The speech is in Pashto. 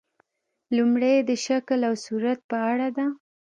لومړۍ یې د شکل او صورت په اړه ده.